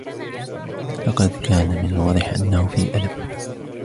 لقد كان من الواضح أنهُ في ألم.